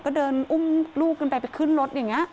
ก็เดินอุ้มลูกขึ้นไปไปขึ้นรถอย่างนี้